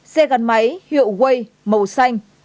xe gắn máy hiệu way màu xanh